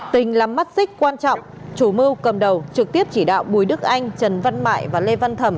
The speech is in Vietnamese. tình là mắt xích quan trọng chủ mưu cầm đầu trực tiếp chỉ đạo bùi đức anh trần văn mại và lê văn thẩm